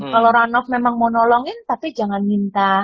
kalau ranof memang mau nolongin tapi jangan minta